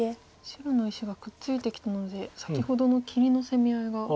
白の石がくっついてきたので先ほどの切りの攻め合いが。